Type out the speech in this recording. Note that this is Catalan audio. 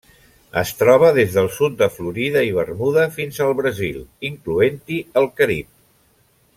Es troba des del sud de Florida i Bermuda fins al Brasil, incloent-hi el Carib.